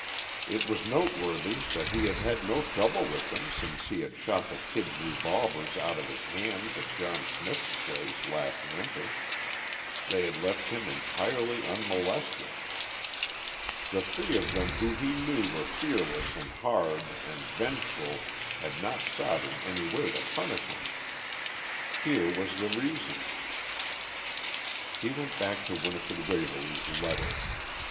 It was noteworthy that he had had no trouble with them since he had shot the Kid's revolvers out of his hands at John Smith's place last winter; they had left him entirely unmolested; the three of them who he knew were fearless and hard and vengeful, had not sought in any way to punish him. Here was the reason. He went back to Winifred Waverly's letter.